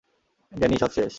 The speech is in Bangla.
ড্যানি, সব শেষ।